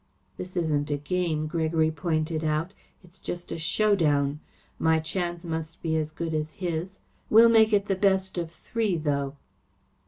"This isn't a game," Gregory pointed out. "It's just a show down. My chance must be as good as his. We'll make it the best of three, though."